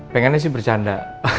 pengennya sih bercanda